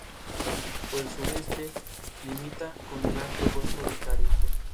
Por el suroeste limita con el amplio Golfo de Tarento.